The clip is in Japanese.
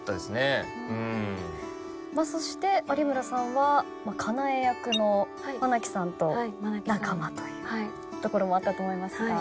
そして有村さんは香苗役の愛希さんと仲間というところもあったと思いますが。